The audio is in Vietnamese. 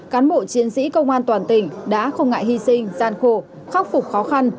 cán bộ chiến sĩ công an toàn tỉnh đã không ngại hy sinh gian khổ khắc phục khó khăn